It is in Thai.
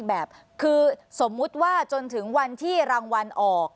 แบบคือสมมุติว่าจนถึงวันที่รางวัลออก